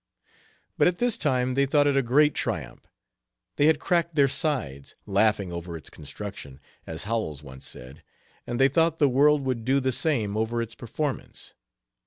But at this time they thought it a great triumph. They had "cracked their sides" laughing over its construction, as Howells once said, and they thought the world would do the same over its performance.